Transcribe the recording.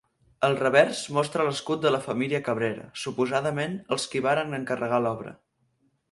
El revers mostra l'escut de la família Cabrera, suposadament els qui varen encarregar l'obra.